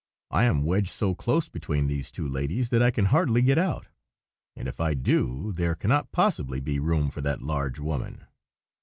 I am wedged so close between these two ladies that I can hardly get out: and if I do, there cannot possibly be room for that large woman."